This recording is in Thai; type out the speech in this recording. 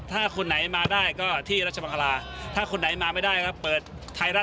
ถ้าคนไหนมาได้ก็ที่ราชบังคาราศาสตร์